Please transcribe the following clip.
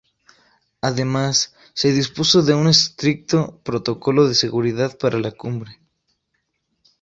Además, se dispuso de un estricto protocolo de seguridad para la cumbre.